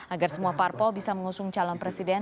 agar semua parpol bisa mengusung calon presiden